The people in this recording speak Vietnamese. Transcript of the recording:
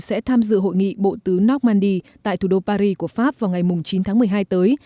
sẽ tham dự hội nghị bộ tứ normandy tại thủ đô paris của pháp vào ngày chín tháng một mươi hai tới